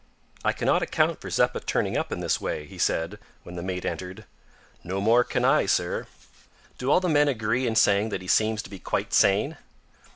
"I cannot account for Zeppa turning up in this way," he said, when the mate entered. "No more can I, sir." "Do all the men agree in saying that he seems to be quite sane."